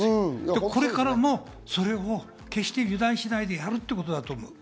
これからもそれを決して油断したりしないということだと思います。